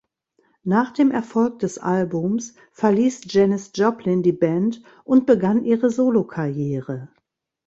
Nach dem Erfolg des Albums verließ Janis Joplin die Band und begann ihre Solokarriere.